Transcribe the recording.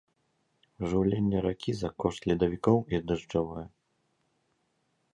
Жыўленне ракі за кошт ледавікоў і дажджавое.